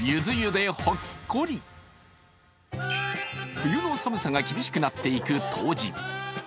冬の寒さが厳しくなっていく冬至。